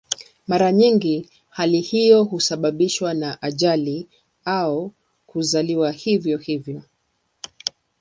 Mara nyingi hali hiyo husababishwa na ajali au kuzaliwa hivyo hivyo.